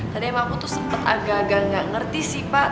tadi emang aku tuh sempat agak agak nggak ngerti sih pak